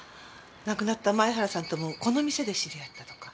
亡くなった前原さんともこの店で知り合ったとか。